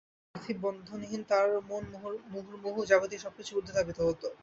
নতুবা পার্থিব-বন্ধনহীন তাঁর মন মুহুর্মুহু জাগতিক সবকিছুর ঊর্ধ্বে ধাবিত হত।